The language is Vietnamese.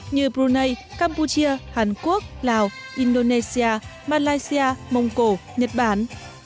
như brunei campuchia hàn quốc lào indonesia malaysia mông cổ nhật bản